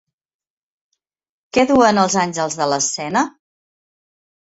Què duen els àngels de l'escena?